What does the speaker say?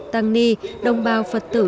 tăng ni đồng bào phật tử